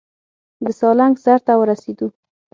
د سالنګ سر ته ورسېدو.